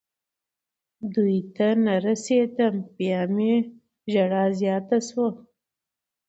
دوی ته نه رسېدم. بیا مې ژړا زیاته شوه.